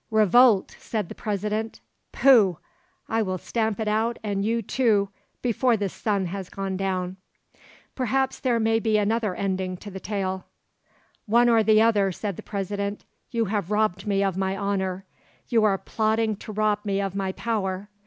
"Revolt!" said the President. "Pooh! I will stamp it out, and you too, before the sun has gone down." "Perhaps there may be another ending to the tale." "One or the other," said the President. "You have robbed me of my honour; you are plotting to rob me of my power.